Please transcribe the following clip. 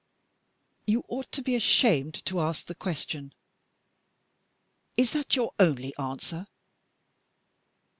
"You ought to be ashamed to ask the question!" "Is that your only answer?"